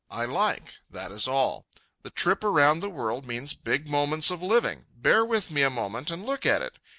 I like, that is all. The trip around the world means big moments of living. Bear with me a moment and look at it.